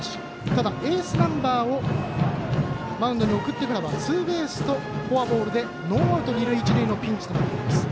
ただ、エースナンバーをマウンドに送ってからはツーベースとフォアボールでノーアウト、二塁一塁のピンチとなっています。